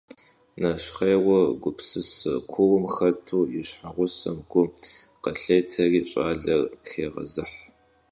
Нэщхъейуэ, гупсысэ куум хэту и щхьэгъусэм гу къылъетэри щӀалэр хегъэзыхь.